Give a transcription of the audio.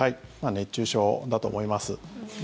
熱中症だと思います。